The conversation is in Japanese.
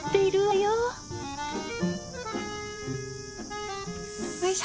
よいしょ。